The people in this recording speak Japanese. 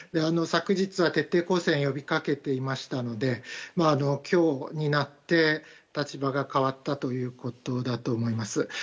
昨日は、徹底抗戦を呼びかけていましたので今日になって立場が変わったということだと思います。